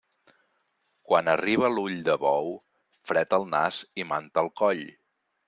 Quan arriba l'ull de bou, fred al nas i manta al coll.